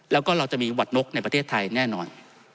แล้วก็เราจะมีหวัดนกในประเทศไทยแน่นอน